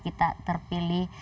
ketika nanti kita terpilih